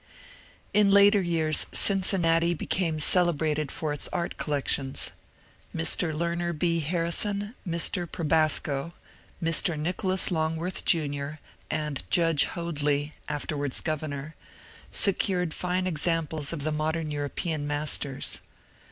In later years Cincinnati became celebrated for its art collec tions. Mr. Learner B. Harrison, Mr. Probasco, Mr. Nicholas Longworth Jr., and Judge Hoadly (afterwards governor) secured fine examples of the modern European masters.